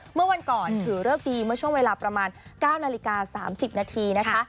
เมื่อวันก่อนถือเลิกดีเมื่อช่วงเวลาประมาณ๙นาฬิกา๓๐นาทีนะคะ